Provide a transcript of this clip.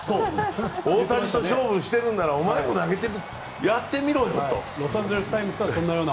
大谷と勝負しているならお前も投げてみろと。